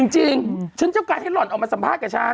จริงฉันต้องการให้หล่อนออกมาสัมภาษณ์กับฉัน